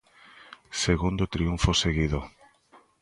Segundo triunfo seguido.